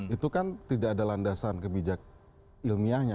itu kan tidak ada landasan kebijakan ilmiahnya